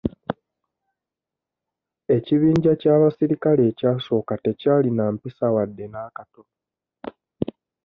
Ekibinja ky'abasirikale ekyasooka tekyalina mpisa wadde n'akatono.